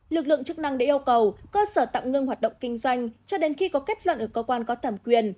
lực lượng chức năng đã yêu cầu cơ sở tạm ngưng hoạt động kinh doanh cho đến khi có kết luận ở cơ quan có thẩm quyền